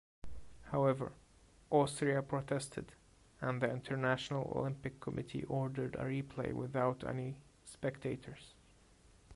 However, Austria protested and the International Olympic Committee ordered a replay without any spectators.